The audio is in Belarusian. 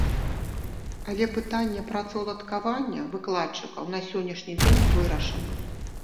Але пытанне працаўладкавання выкладчыкаў на сённяшні дзень вырашана.